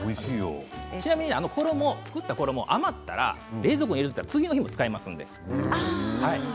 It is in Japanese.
ちなみに作った衣が余ったら冷蔵庫に入れたら次の日も使えますので。